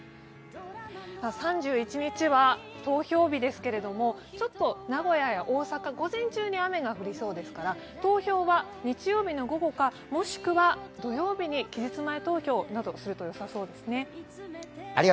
３１日は投票日ですけれどちょっと名古屋や大阪、午前中に雨が降りそうですから投票は日曜日の午後か、もしくは土曜日に期日前投票するとよさそうですね。